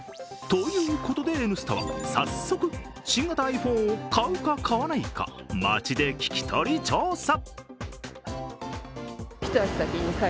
ということで、「Ｎスタ」は早速、新型ｉＰｈｏｎｅを買うか買わないか、街で聞き取り調査。